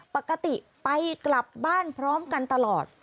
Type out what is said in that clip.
ปกติไปกลับบ้านพร้อมกันตลอด